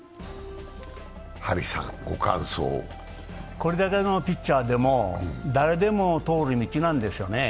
これだけのピッチャーでも誰でも通る道なんですよね。